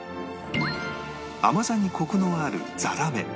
甘さにコクのあるザラメ